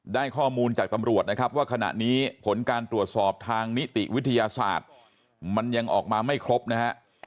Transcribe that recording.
ได้ข้อมูลจากตำรวจนะครับว่าขณะนี้ผลการตรวจสอบทางนิติวิทยาศาสตร์มันยังออกมาไม่ครบนะฮะ